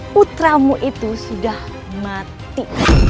putramu itu sudah mati